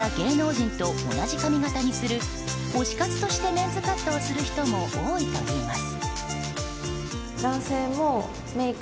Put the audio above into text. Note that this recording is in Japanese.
好きなキャラクターや芸能人と同じ髪形にする推し活としてメンズカットをする人も多いといいます。